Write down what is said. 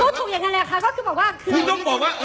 พูดถูกอย่างนั้นแหละคะก็คือบอกว่า